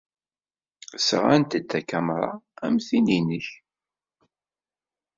Sɣant-d takamra am tin-nnek.